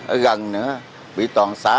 ở gần nữa bị toàn xá